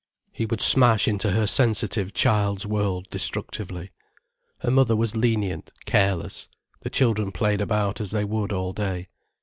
He would smash into her sensitive child's world destructively. Her mother was lenient, careless. The children played about as they would all day.